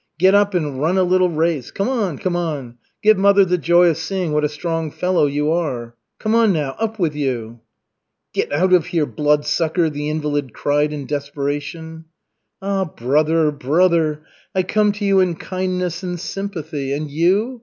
Get up and run a little race. Come on, come on, give mother the joy of seeing what a strong fellow you are. Come on now! Up with you!" "Get out of here, Bloodsucker!" the invalid cried in desperation. "Ah, brother, brother! I come to you in kindness and sympathy, and you